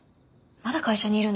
まだ会社にいるの？